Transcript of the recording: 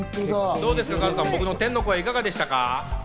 加藤さん、僕の天の声はいかがでしたか？